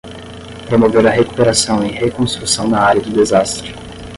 Promover a recuperação e reconstrução na área do desastre